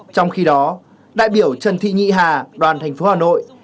trong khi đó đại biểu trần thị nhị hà đoàn thành phố hà nội